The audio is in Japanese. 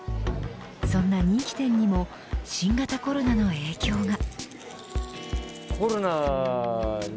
そんな人気店にも新型コロナの影響が。